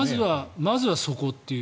まずはそこっていう。